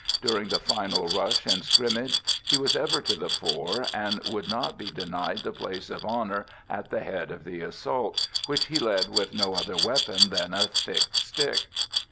During the final rush and scrimmage he was ever to the fore, and would not be denied the place of honour at the head of the assault, which he led with no other weapon than a thick stick.